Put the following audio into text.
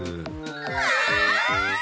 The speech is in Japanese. わあ！